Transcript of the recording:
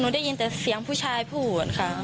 ได้ยินแต่เสียงผู้ชายพูดค่ะ